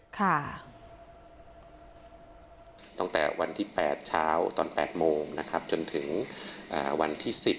ตั้งแต่วันที่๘เช้าตอน๘โมงนะครับจนถึงวันที่๑๐